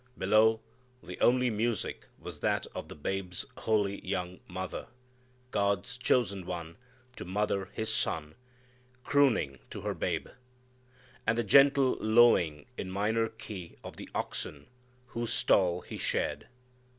Below, the only music was that of the babe's holy young mother, God's chosen one to mother His Son, crooning to her babe; and the gentle lowing in minor key of the oxen whose stall He shared.